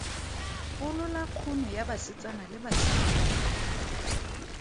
Golola kgono ya basetsana le basimane.